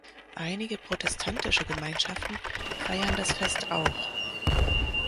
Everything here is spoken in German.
Einige protestantische Gemeinschaften feiern das Fest auch.